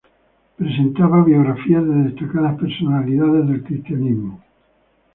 Presentaba biografías de destacadas personalidades del cristianismo.